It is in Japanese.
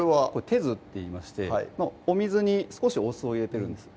手酢っていいましてお水に少しお酢を入れてるんです